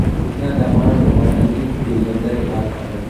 کوچیان د افغانانو د فرهنګي پیژندنې برخه ده.